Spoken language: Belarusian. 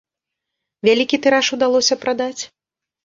Вялікі тыраж удалося прадаць?